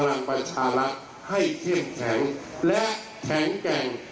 พลังประชารัฐให้เข้มแข็งและแข็งแกร่ง